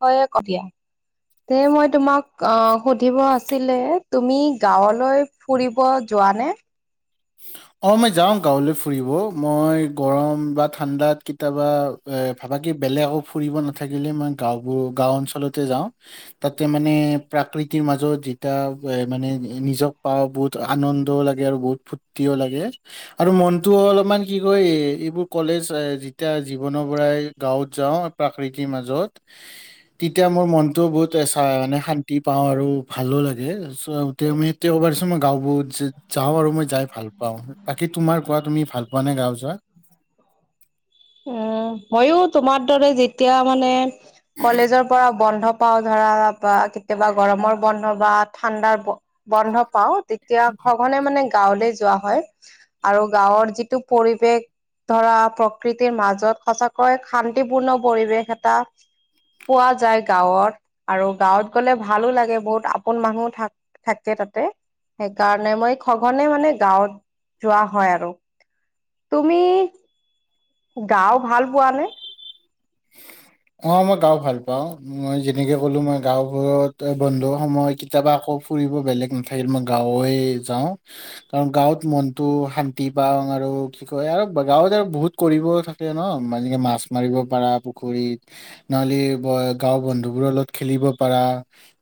হয় এ কতিয়া দে মই তোমাক অ, সুধিব আছিলে তুমি গাঁৱলৈ ফুৰিব যোৱানে। অ মই যাওঁ গাঁৱলৈ ফুৰিব মই গৰম বা ঠাণ্ডাত কেতিয়াবা, এ ভাবাতকে বেলেগ ফুৰিব নাথাকিলে মই গাঁওবো গাওঁ অঞ্চলতে যাওঁ, তাতে মানে প্ৰাকৃতিৰ মাজত যেতিয়া মানে নিজক পাও বহুত, আনন্দও লাগে আৰু বহুত ফূৰ্তিও লাগে। আৰু মনতটো অলপমান কি কয় এইবোৰ কলেজ এ যেতিয়া জীৱনৰ পৰাই গাঁৱত যাওঁ। প্ৰাকৃতি মাজত, তেতিয়া মোৰ মনতোও বহুত মানে শান্তি পাওঁ আৰু ভালো লাগে। তওবাৰ মই গাওঁ বুত যাওঁ আৰু মই যাই ভাল পাওঁ বাকি তোমাৰ কোৱা তুমি ভাল পোৱা নে গাওঁ যোৱা। উম তোমাৰ যেতিয়া মানে কলেজৰ পৰা বন্ধ পাওঁ ধৰা বা কেতিয়াবা গৰমৰ বন্ধ বা ঠাণ্ডাৰ বন্ধ পাওঁ, তেতিয়া খবনে মানে, গাঁৱলে যোৱা হয় আৰু গাঁৱৰ যিটো পৰিৱেশ ধৰা প্ৰকৃতিৰ মাজত সঁচাকৈয় শান্তিপূৰ্ণ পৰিৱেশ এটা, পোৱা যায় গাঁৱত আৰু গাঁৱত গ'লে ভালো লাগে বহুত আপোন মানুহো থাক থাকে তাতে সেইকাৰণে মই সঘনে মানে গাঁৱত যোৱা হয় আৰু তুমি, গাও ভাল পোৱা নে? [unintelligible] অ মই গাও ভাল পাও মই যেনেকে ক'লো মই গাওবোৰত বন্ধু সময়, কেতিয়াবা আকৌ ফুৰিব বেলেগ নাথাকিলে মই গাঁৱে য়াও, কাৰণ গাঁৱত মনতটো শান্তি পাওঁ আৰু কি কয় আৰু গাঁৱত আৰু বহুত কৰিব থা, ন মানকে মাছ মাৰিব পাৰা পুখুৰীত। নহ'লে গাওৰ বন্ধুবোৰৰ লগত খেলিব পাৰা।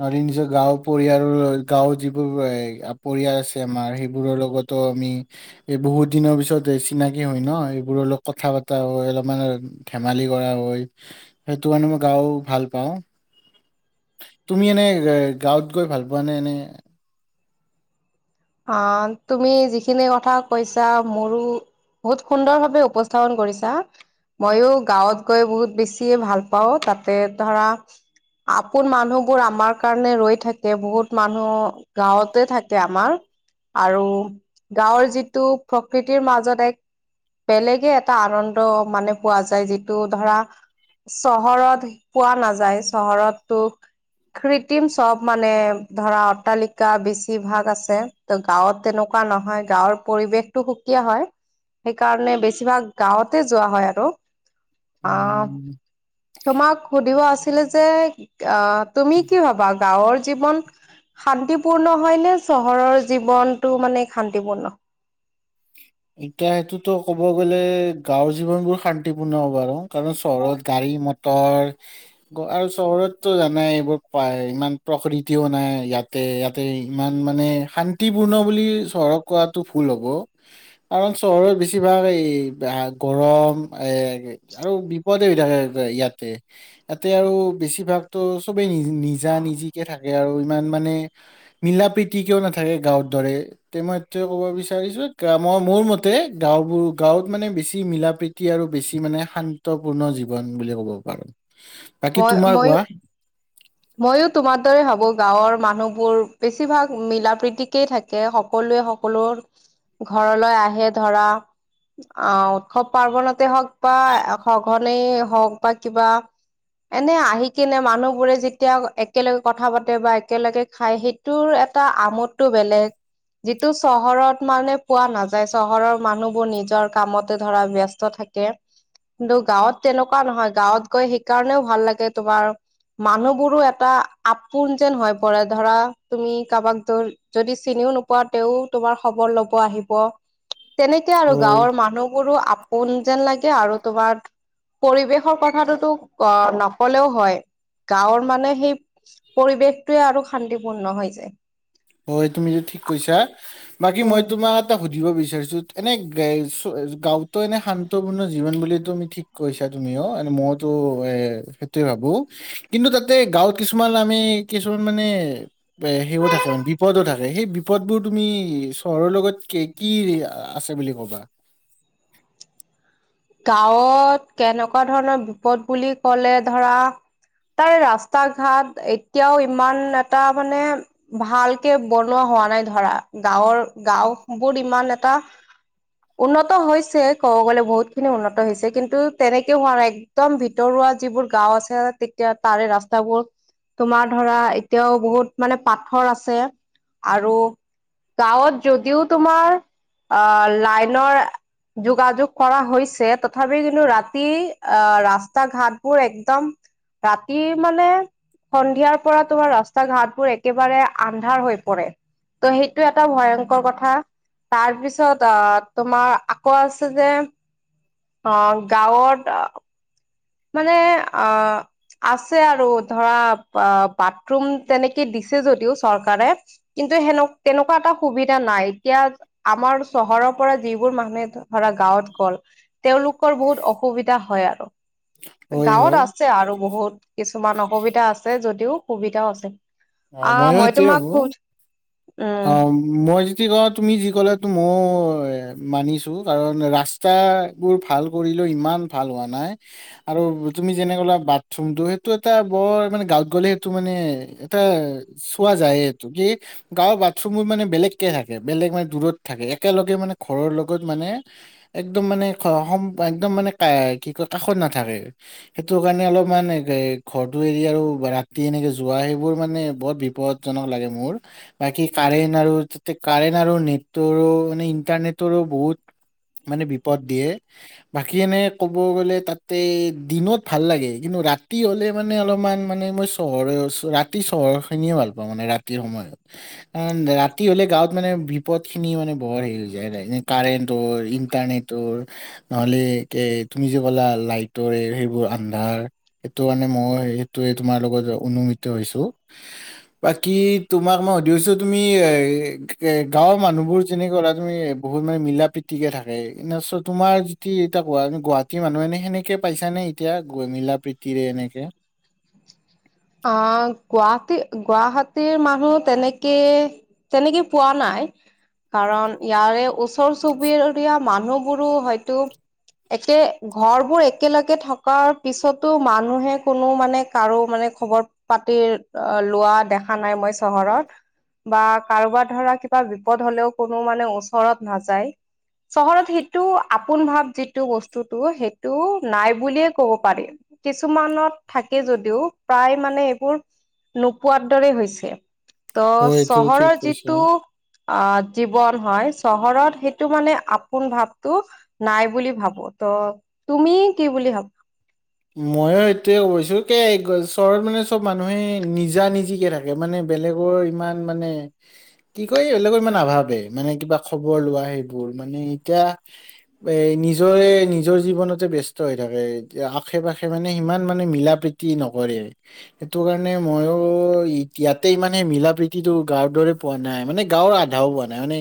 ন নিজৰ গাঁওৰ পৰিয়ালৰ গাঁওৰ যিবোৰ পৰিয়াল আছে আমাৰ সেইবোৰ লগত। ত আমি, এই বহুত দিনৰ পিছত এই চিনাকি হয় ন এইবোৰৰ অলপ কথা বতা হয় অলপমান। ধেমালি কৰা হয় সেইটো কাৰণে মই গাও ভাল পাওঁ। তুমি এনে গাঁৱত গৈ ভাল পোৱা নে এনে, অ তুমি যিখিনি কথা কৈছা মোৰো, বহুত সুন্দৰ ভাৱে উপস্থাপন কৰিছা। মইয়ো গাঁৱত গৈ বহুত বেছিয় ভাল পাওঁ তাতে ধৰা, আপোন মানুহবোৰ আমাৰ কাৰণে ৰৈ থাকে বহুত মানুহ। গাঁৱতে থাকে আমাৰ। আৰু গাঁৱৰ যিটো প্ৰকৃতিৰ মাজত এক, বেলেগে এটা আনন্দ মানে পোৱা যায় যিটো ধৰা, চহৰত পোৱা নাযায় চহৰতো, কৃত্ৰিম চব মানে ধৰা অট্টালিকা বেছিভাগ আছে। ত গাঁৱত তেনেকুৱা নহয় গাঁৱৰ পৰিৱেশতটো সুকীয়া হয়। সেইকাৰণে বেছিভাগ গাঁৱতে যোৱা হয় আৰু। অ', উম তোমাক সুধিব আছিলে যে অ' তুমি কি ভাবা গাঁৱৰ জীৱন শান্তিপূৰ্ণ হয় নে চহৰৰ জীৱনতটো মানে শান্তিপূৰ্ণ? এতিয়া সেইটোতো ক'ব গ'লে গাঁৱৰ জীৱনবোৰ শান্তিপূৰ্ণ হ'ব আৰু। কাৰণ চহৰত গাড়ী মটৰ আৰু চহৰততো জানাই এইবোৰ পায় ইমান প্ৰকৃতিও নাই ইয়াত ইয়াতে ইমান মানে শান্তিপূৰ্ণ বুলি চহৰক কোৱাটো ভুল হ'ব। কাৰণ চহৰত বেছিভাগ এই গৰম এ আৰু বিপদ থাকে ইয়াতে ইয়াতে আৰু বেছিভাগ ত' চবেই নিজা নিজিকে থাকে আৰু। ইমান মানে মীলা প্ৰিতিকেও নাথাকে গাঁৱৰ দৰে। তে মই ক'ব বিচাৰিছো মই মোৰ মতে গাঁওবোৰ গাঁৱত মানে বেছি মিলা প্ৰীতি আৰু বেছি মানে শান্তি গুৰুত্বপূৰ্ণ জীৱন বুলি ক'ব পাৰো। বাকী মই তোমাৰ মইয়ো কোৱা? ময়ো তোমাৰ দৰে ভাবো গাঁৱৰ মানুহবোৰ বেছিভাগ মিলা প্ৰতিকেই থাকে। সকলোৱে সকলো ঘৰলৈ আহে ধৰা। অ', উৎসৱ পাৰ্বনতে হওঁক বা সঘনে হওঁক বা কিবা এনে আহি কিনে মানুহবোৰে এতিয়া একেলগে কথা পাতে বা একেলগে খাই সেইটোৰ এটা আমোদটো বেলেগ। যিটো চহৰত মানে পোৱা নাযায় চহৰৰ মানুহবোৰ নিজৰ কামতে ধৰা ব্যস্ত থাকে। [inaudible] কিন্তু গাঁৱত তেনেকুৱা নহয় গাঁৱত গৈ সেইকাৰণেও ভাল লাগে তোমাৰ মানুহ মোৰো এটা আপোন যেন হৈ পৰে ধৰা তুমি কাৰোবাক দোৰ যদি চিনিও পোৱা তেওঁ তোমাৰ খবৰ ল'ব আহিব। [inaudible] তেনেকে আৰু হয় গাঁৱৰ মানুহবোৰো আপোন যেন লাগে আৰু তোমাৰ পৰিৱেশৰ কথাটোতো অ' নকলেওঁ হয় গাঁৱৰ মানে সেই পৰিৱেশটোৱে আৰু শান্তিপূৰ্ণ হৈ যায়। হয়, তুমি এইটো ঠিক কৈছা বাকী মই উম তোমাক কথা এটা সুধিব বিচাৰিছোঁ এনে গাঁওতো এনে শান্তপূৰ্ণ জীৱন বুলিতো আমি ঠিক কৈছা তুমিও অ' মইতো এ সেইটোৱে ভাবোঁ। কিন্তু তাতে গাঁৱত কিছুমান আমি কিছুমান মানে এ হেৰিও থাকে বিপদো থাকে সেই বিপদবোৰ তুমি চহৰৰ লগত কি আছে বুলি ক'বা? গাঁৱত কেনেকুৱা ধৰণৰ বিপদ বুলি ক'লে ধৰা তাৰে ৰাস্তা ঘাট এতিয়াও ইমান এটা মানে ভালকে বনোৱা হোৱা নাই ধৰা গাঁৱৰ গাওঁবোৰ ইমান এটা উন্নত হৈছে ক'ব গলে বহুতখিনি উন্নত হৈছে কিন্তু তেনেকে হোৱা নাই। একদম ভিতৰুৱা যিবোৰ গাওঁ আছে তেতিয়া তাৰে ৰাস্তাবোৰ তোমাৰ ধৰা এতিয়াও বহুত মানে পাথৰ আছে আৰু গাঁৱত যদিও তোমাৰ অ', লাইনৰ যোগাযোগ কৰা হৈছে। তথাপি কিন্তু ৰাতি আহ ৰাস্তা ঘাটবোৰ একদম ৰাতিৰ মানে সন্ধিয়াৰ পৰা তোমাৰ ৰাস্তা ঘাটবোৰ একেবাৰে আন্ধাৰ হৈ পৰে। ত' সেইটো এটা ভয়ংকৰ কথা। তাৰপিছত অ' তোমাৰ আকৌ আছে যে অ' গাঁৱত মানে আহ, আছে আৰু ধৰা বাথৰুম তেনেকে দিছে যদিও চৰকাৰে। কিন্তু সেনে তেনেকুৱা এটা সুবিধা নাই এতিয়া আমাৰ চহৰৰ পৰা যিবোৰ মানুহে ধৰা গাঁৱত গ'ল তেওঁলোকৰ বহুত অসুবিধা হয় আৰু। হয় গাঁৱত হয় আছে আৰু বহুত কিছুমান অসুবিধা আছে যদিও সুবিধাও আছে। অ' ময়ো মই সেইটোৱে তোমাক ভাবো সুধো অ' মই যদি কওঁ তুমি যি ক'লে ত মই মানিছো কাৰণ ৰা ফে বোৰ ভাল কৰিলেও ইমান ভাল হোৱা নাই। আৰু তুমি যেনেক'লা বাথৰুমটো সেইটো এটা মানে গাঁৱত সেইটো মানে এটা চোৱা যায় এইটো কি গাঁৱৰ বাথৰুমবোৰ মানে বেলেগকে থাকে বেলেগ মানে দূৰত থাকে একেলগে মানে ঘৰৰ লগত মানে একদম মানে একদম মানে কি কয় কাষত নাথাকে। সেইটো কাৰণে অলপমান ঘৰটো এৰি আৰু ৰাতি এনেকে যোৱা সেইবোৰ মানে বহুত বিপদ জনক লাগে মোৰ। বাকী কাৰেণ্ট আৰু তাতে কাৰেণ্ট আৰু নেটৰো মানে ইণ্টাৰনেটৰো বহুত মানে বিপদ দিয়ে। বাকী এনে ক'ব গ'লে তাতে দিনত ভাল লাগে কিন্তু ৰাতি হ'লে মানে অলপমান মানে মই চহৰে ৰাতি চহৰ খিনিয়ে ভাল পাওঁ মানে ৰাতিৰ সময়ত। কাৰণ ৰাতি হ'লে গাঁৱত মানে বিপদখিনি মানে বহৰ হেৰি হৈ যায় কাৰেণ্টৰ ইণ্টাৰনেট নহলে কে তুমি যে ক'লা লাইটৰে সেইবোৰ আন্ধাৰ। সেইটো মানে মই সেইটোৱে তোমাৰ লগত অনুমিত হৈছো। বাকী তোমাক মই সুধিছো তুমি এ গাঁৱৰ মানুহবোৰ যেনেকা তুমি বহুত মানে মিলা প্ৰীতি ঠিকে থাকে এনেত তোমাৰ যিতি এ গুৱাহাটী মানুহ এনে সেনেকে পাইছ নে এতিয়া মিলা প্ৰতি তিৰে এনেকে? অ' গুৱাহাটী গুৱাহাটীৰ মানুহ তেনেকে তেনেকে পোৱা নাই? কাৰণ ইয়াৰে ওচৰ চুবিবুৰীয়া মানুহবোৰো হয়তো একে ঘৰবোৰ একেলগে থকাৰ পিছতো মানুহে কোনো মানে কাৰো মানে খবৰ পাতি লোৱা দেখা নাই মই চহৰত। বা কাৰোবাৰ ধৰা কিবা বিপদ হলেও কোনো মানে ওচৰত নাযায়। চহৰত সেইটো আপোন ভাৱ যিটো বস্তুটো সেইটো নাই বুলিয়ে ক'ব পাৰি। কিছুমানত থাকে যদিও প্ৰায় মানে এইবোৰ নোপোৱাৰ দৰে হৈছে। হয় ত' এইটো চহৰৰ ঠিক কৈছা যিটো আহ জীৱন হয় চহৰত সেইটো মানে আপোন ভাৱটো নাই বুলি ভাবো যে তুমি কি বুলি ভাবা? ময়ো সেইটোয়ে কৈছো কে চহৰত মানে চব মানুহে নিজা নিজিকে থাকে। এই মানে বেলেগৰ ইমান মানে কি কয় এইল ক ইমান নাভাবে মানে কিবা খবৰ লোৱা সেইবোৰ মানে এতিয়া এ নিজৰে নিজৰ জীৱনতে ব্যস্ত হৈ থাকে এতি আ আশে পাশে মানে সিমান মানে মিলা প্ৰীতি নকৰে। সেইটো কাৰণে মইয়ো ইয়াতেই মানে মিলা প্ৰীতিটো গাঁৱ দৰে পোৱা নাই মানে গাঁৱৰ আধাও পোৱা নাই মানে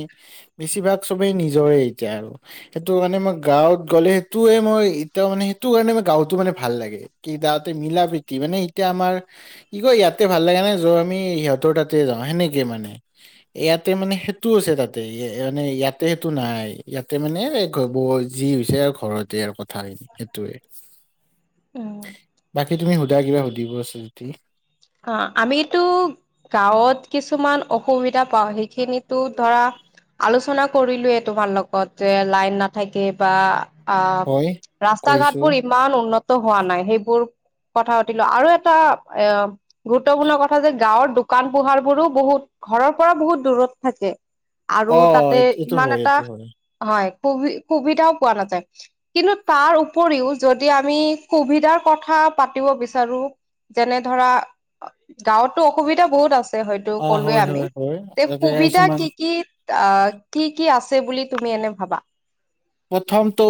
বেছিভাগ সবেই নিজৰে এতিয়া আৰু। সেইটো কাৰণে মই গাঁৱত গ'লে সেইটোয়ে মই এতিয়াও মানে সেইটো কাৰণে মই গাঁৱত- টো মানে ভাল লাগে কি তাতে মিলা প্ৰীতি মানে এতিয়া আমাৰ- ই কয় ইয়াতে ভাল লাগা নাই আমি সিহঁতৰ তাতে যাওঁ সেনেকে মানে। ইয়াতে মানে সেইটো আছে তাতে মানে ইয়াতে সেইটো নাই, ইয়াতে মানে- যি হৈছে ঘৰতে আৰু কথা সেইটোৱে। উম বাকী তুমি সোধা কিবা সুধিব আছে যদি? অঁ' আমিতো গাঁৱত কিছুমান অসুবিধা পাওঁ সেইখিনিতো ধৰা- আলোচনা কৰিলোৱে তোমাৰ লগত যে লাইন নাথাকে বা- আহ' হয় ৰাস্তা কৰিছো ঘাটবোৰ ই ইমান উন্নত হোৱা নাই সেইবোৰ কথা পাতিলো আৰু এটা এ- গুৰুত্বপূৰ্ণ কথা যে গাঁৱৰ দোকান পোহাৰ বোৰো বহুত ঘৰৰ পৰা বহুত দূৰত থাকে। আৰু অ তাতে এইটো এইটো ইমান হয় এটা এইটো হয়, সুবি-সুবিধাও পোৱা নাযায়। কিন্তু তাৰ উপৰিও যদি আমি সুবিধাৰ কথা পাতিব বিচাৰোঁ- যেনে ধৰা গাঁৱতো অসুবিধা বহুত আছে- হয়তো অ কলোৱে হয় আমি হয় হয় তাতে সুবিধা কিছুমান কি কি- আহ' কি কি আছে বুলি তুমি এনে ভাবা? প্ৰথমটো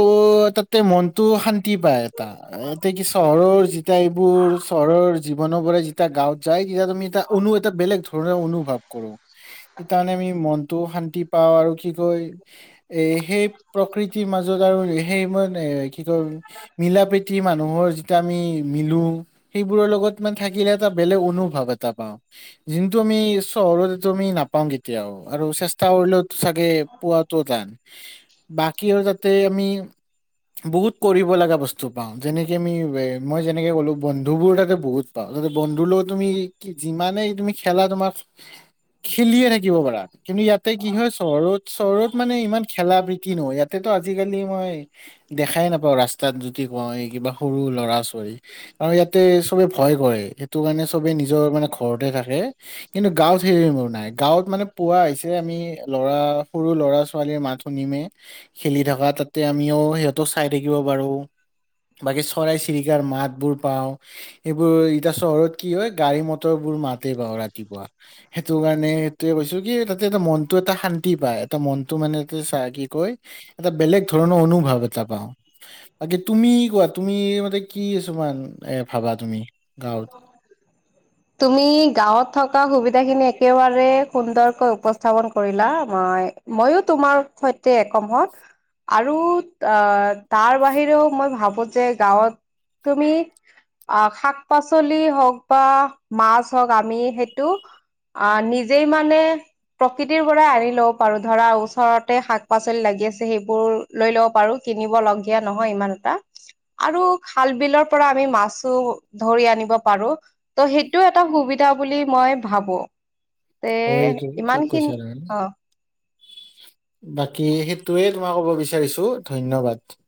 তাতে মনটো শান্তি পায় এটা- এতিয়া কি চহৰৰ যেতিয়া এইবোৰ চহৰৰ জীৱনৰ পৰা যেতিয়া গাঁৱত- যাই যেতিয়া তুমি এটা অনু এটা বেলেগ ধৰণৰ অনুভৱ কৰোঁ। সেইকাৰণে আমি মনটো শান্তি পাওঁ আৰু কি কয় এ সেই- প্ৰকৃতিৰ মাজত আৰু সেই মানে কি কয়- মিলা প্ৰীতি মানুহৰ যেতিয়া আমি মিলো- সেইবোৰৰ লগত মানে থাকিলে এটা বেলেগ অনুভৱ এটা পাওঁ। যোনটো আমি চহৰত আমি নাপাম কেতিয়াও আৰু চেষ্টা কৰিলেও চাগে পোৱাটো টান। বাকী আৰু তাতে আমি- বহুত কৰিব লগা বস্তু পাওঁ যেনেকে আমি মই যেনেকে ক'লো বন্ধু বোৰ তাতে বহুত- পাওঁ, তাতে বন্ধু লগত তুমি কি যিমানেই তুমি খেলা তোমাৰ- খেলিয়ে থাকিব পাৰা কিন্তু ইয়াতে কি হয় চহৰত চহৰত মানে ইমান খেলা প্ৰী তি নহয়, ইয়াতেতো আজিকালি মই- দেখাই নাপাওঁ ৰাস্তাত যদি কওঁ এই কিবা সৰু ল'ৰা ছোৱালী। আৰু ইয়াতে চবে ভয় কৰে সেইটো কাৰণে চবেই নিজৰ মানে ঘৰতে থাকে। কিন্তু গাঁৱত সেইবোৰ নাই। গাঁৱত মানে পুৱা হৈছে আমি লৰা সৰু ল'ৰা ছোৱালীৰ মাত শুনিমেই- খেলি থকা, তাতে আমিও সিহঁতক চাই থাকিব পাৰো। বাকী চৰাই চিৰিকাৰ মাতবোৰ পাওঁ। এইবোৰ এতিয়া চহৰত কি হয় গাড়ী মটৰ বোৰ মাত হে পাওঁ ৰাতিপুৱা। সেইটো কাৰণে সেইটোয়ে কৈছো কি তাতে এটা মনটো এটা শান্তি পায়। এটা মনটো মানে কি [unintelligible] কৈ এটা বেলেগ ধৰণৰ অনুভৱ এটা পাওঁ। বাকী তুমি কোৱা, তুমি মতে কি কিছুমান ভাবা তুমি গাঁৱত? [unintelligible] তুমি গাঁৱত থকা সুবিধাখিনি একেবাৰে সুন্দৰকৈ উপস্থাপন কৰিলা। মই- মইয়ো তোমাৰ সৈতে একমত। আৰু আহ' তাৰ বাহিৰেও মই ভাবোঁ যে গাৱঁত তুমি- আহ' শাক-পাচলি হওঁক বা মাছ হওঁক আমি সেইটো- আহ' নিজেই মানে- প্ৰকৃতিৰ পৰা আনি ল'ব পাৰোঁ। ধৰা ওচৰতে শাক-পাচলি লাগি আছে সেইবোৰ। লৈ ল'ব পাৰো কিনিব লগীয়া নহয় ইমান এটা। আৰু খাল বিলৰ পৰা আমি মাছো, ধৰি আনিব পাৰো ত সেইটো এটা সুবিধা বুলি মই ভাবো। তে হয় এইটো ইমান ঠিক খিনি কৈছা তুমি। অ বাকী সেইটোয়ে তোমাক ক'ব বিচাৰিছো ধন্যবাদ।